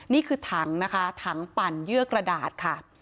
นี่คือถังนะคะถังปั่นเยื่อกระดาษค่ะ